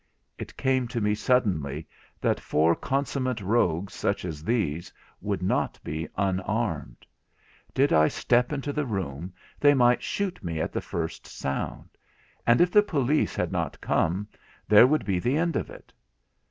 It came to me suddenly that four consummate rogues such as these would not be unarmed. Did I step into the room, they might shoot me at the first sound; and if the police had not come, there would be the end of it.